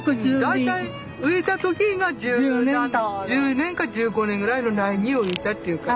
大体植えた時が１０年か１５年ぐらいの苗木を植えたっていうから。